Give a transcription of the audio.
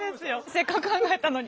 せっかく考えたのに。